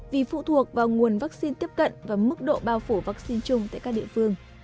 vì phụ thuộc vào nguồn vaccine tiếp cận và mức độ bao phủ vaccine chung tại các địa phương